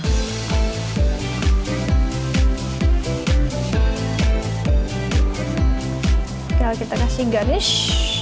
tinggal kita kasih garnish